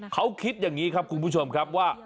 เขาคิดอย่างนี้ครับคุณผู้ชมครับว่า